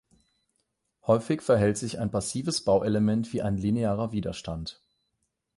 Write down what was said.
Häufig verhält sich ein passives Bauelement wie ein "linearer Widerstand.